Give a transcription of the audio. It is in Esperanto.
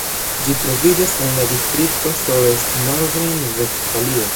Ĝi troviĝas en la distrikto Soest, Nordrejn-Vestfalio.